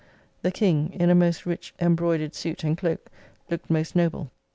The King, in a most rich embroidered suit and cloak, looked most noble.